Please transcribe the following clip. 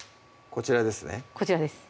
こちらです